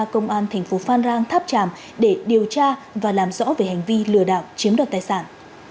công an thành phố phan rang tháp tràm để điều tra và làm rõ về hành vi lừa đảo chiếm đoạt tài sản